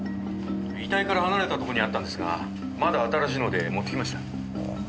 遺体から離れたとこにあったんですがまだ新しいので持ってきました。